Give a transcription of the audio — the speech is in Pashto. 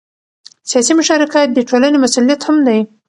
سیاسي مشارکت د ټولنې مسؤلیت هم دی